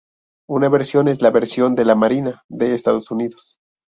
Una versión es la versión de la marina de Estados Unidos.